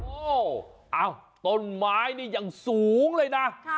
โอ้โหต้นไม้นี่ยังสูงเลยนะ